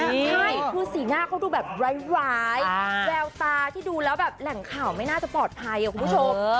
ใช่คือสีหน้าเขาดูแบบร้ายแววตาที่ดูแล้วแบบแหล่งข่าวไม่น่าจะปลอดภัยคุณผู้ชม